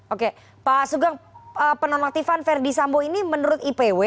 oke pak sugeng penonaktifan verdi sambo ini menurut ipw